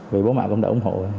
vì bố mẹ cũng đã ủng hộ